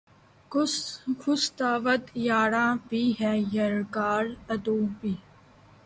خوش دعوت یاراں بھی ہے یلغار عدو بھی